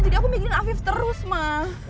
jadi aku mikirin afif terus mak